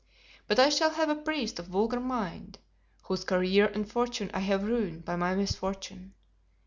But I shall have a priest of vulgar mind, whose career and fortune I have ruined by my misfortune.